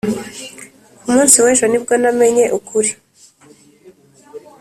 ku munsi w'ejo ni bwo namenye ukuri.